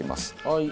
はい。